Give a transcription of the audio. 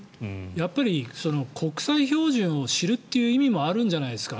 やっぱり国際標準を知るという意味もあるんじゃないですか